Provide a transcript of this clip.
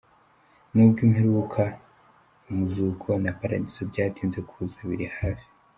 Nubwo imperuka, umuzuko na paradizo byatinze kuza, biri hafi.